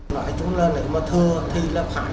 nói ra phải một báo cáo với các cơ quan chức năng